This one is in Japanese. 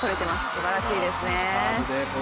すばらしいですね。